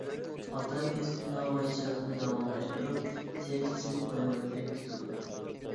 ئاتا كەسپى ناۋايچىلىقنى داۋاملاشتۇرۇپ، تىرىكچىلىك كويىغا كېرىپ كېتىدۇ.